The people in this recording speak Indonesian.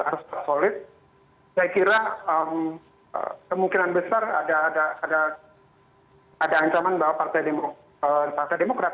saya kira kemungkinan besar ada ancaman bahwa partai demokrat